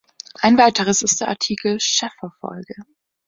Ein weiteres ist der Artikel „Sheffer-Folge“.